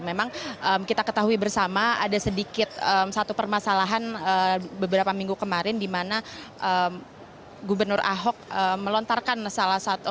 memang kita ketahui bersama ada sedikit satu permasalahan beberapa minggu kemarin di mana gubernur ahok melontarkan salah satu